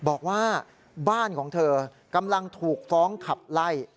บอกว่าบ้านของเธอกำลังถูกฟ้องขับไล่